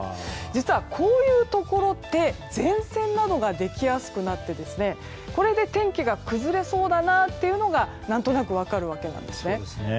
実はこういうところって前線などができやすくなってこれで天気が崩れそうだなというのが何となく分かるわけなんですね。